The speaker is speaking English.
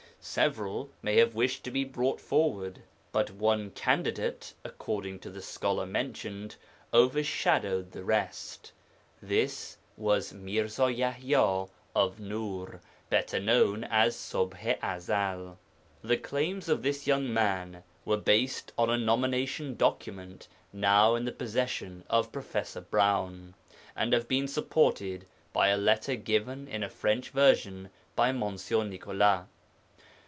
Several may have wished to be brought forward, but one candidate, according to the scholar mentioned, overshadowed the rest. This was Mirza Yaḥya (of Nūr), better known as Ṣubḥ i Ezel. The claims of this young man were based on a nomination document now in the possession of Prof. Browne, and have been supported by a letter given in a French version by Mons. Nicolas.